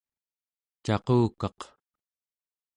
caqukaq